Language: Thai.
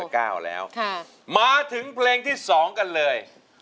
แล้วมาถึงเพลงที่๒กันเลย